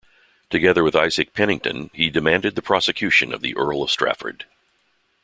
Together with Isaac Penington, he demanded the prosecution of the Earl of Strafford.